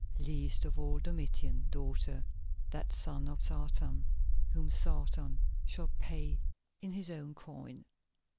"Least of all Domitian, daughter, that son of Satan, whom Satan shall pay in his own coin."